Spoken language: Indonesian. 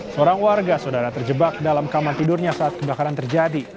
seorang warga saudara terjebak dalam kamar tidurnya saat kebakaran terjadi